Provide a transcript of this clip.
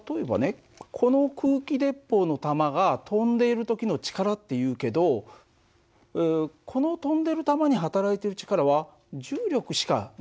この空気鉄砲の弾が飛んでいる時の力っていうけどこの飛んでる弾に働いてる力は重力しかないよね。